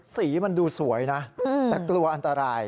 สีมันดูสวยนะแต่กลัวอันตราย